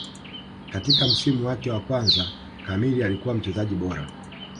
Katika msimu wake wa kwanza kamili alikuwa mchezaji bora